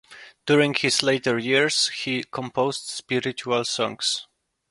During his later years he composed spiritual songs.